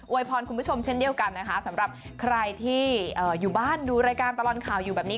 พรคุณผู้ชมเช่นเดียวกันนะคะสำหรับใครที่อยู่บ้านดูรายการตลอดข่าวอยู่แบบนี้